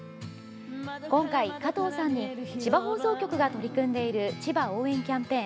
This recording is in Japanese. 今回、加藤さんに千葉放送局が取り組んでいる千葉応援キャンペーン